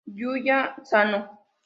Yuya Sano